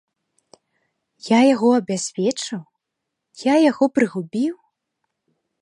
Я яго абязвечыў, я яго прыгубіў?